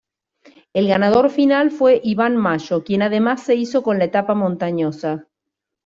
El ganador final fue Iban Mayo, quien además se hizo con la etapa montañosa.